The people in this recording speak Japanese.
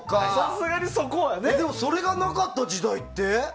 それがなかった時代って？